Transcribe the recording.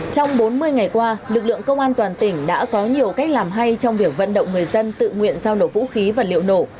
trong bốn mươi ngày qua lực lượng công an toàn tỉnh đã có nhiều cách làm hay trong việc vận động người dân tự nguyện giao nổ vũ khí và liệu nổ